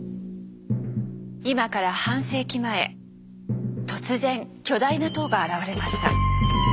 今から半世紀前突然巨大な塔が現れました。